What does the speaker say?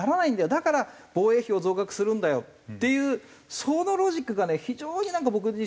だから防衛費を増額するんだよっていうそのロジックがね非常になんか僕自身はね危険だなって。